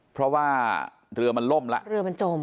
เพราะว่าเรือมันล่มแล้วเรือมันจม